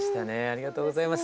ありがとうございます。